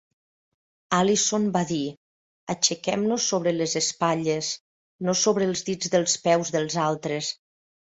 Allison va dir: "Aixequem-nos sobre les espatlles, no sobre els dits dels peus dels altres".